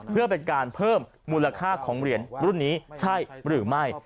เพื่อเป็นการเพิ่มมูลค่าของเหรียญรุ่นนี้ใช่หรือไม่